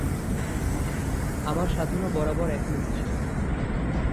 আমার সাধনা বরাবর একমুখী ছিল।